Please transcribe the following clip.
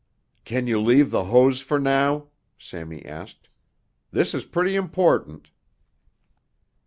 "Can you leave the hose for now?" Sammy asked. "This is pretty important."